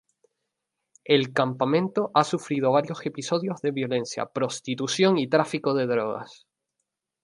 El campamento ha sufrido varios episodios de violencia, prostitución y tráfico de drogas.